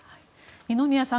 二宮さん